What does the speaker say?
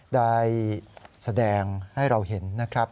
ได้แสดงให้เราเห็นนะครับ